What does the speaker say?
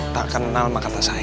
tak kenal sama kata saya